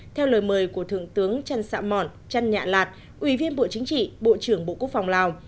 theo lời mời của thượng tướng trần sạ mọn trần nhạ lạt ủy viên bộ chính trị bộ trưởng bộ quốc phòng lào